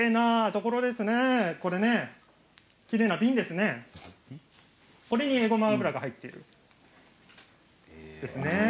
これにえごま油が入っているんですね。